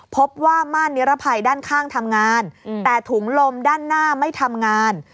พบว่าม่านนิรภัยด้านข้างทำงานแต่ถุงลมด้านหน้าไม่ทำงาน